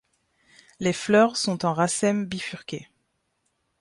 Les fleurs sont en racèmes bifurqués.